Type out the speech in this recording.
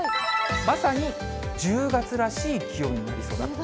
まさに１０月らしい気温になりそうだと。